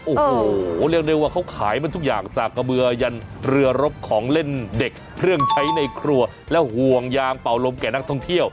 โอ้โหเรียกได้ว่าเขาขายมันทุกอย่างสากะเบือยันเรือรบของเล่นเด็กเครื่องใช้ในครัวและห่วงยางเป่าลมแก่นักท่องเที่ยว